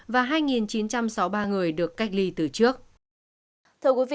và hai chín trăm sáu mươi ba người đều bị bệnh